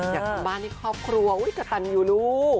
อยากทำบ้านให้ครอบครัวอุ๊ยกระตันอยู่ลูก